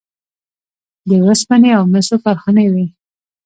د وسپنې او مسو کارخانې وې